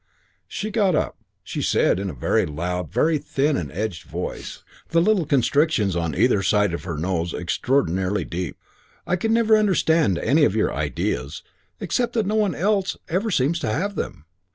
She got up. She said in a very loud, very thin and edged voice, the little constrictions on either side of her nose extraordinarily deep: "I never can understand any of your ideas, except that no one else ever seems to have them.